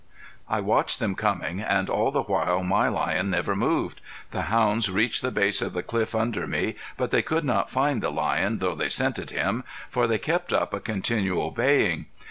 I watched them coming, and all the while my lion never moved. The hounds reached the base of the cliff under me, but they could not find the lion, though they scented him, for they kept up a continual baying.